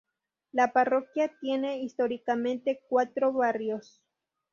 La parroquia tiene históricamente cuatro barrios.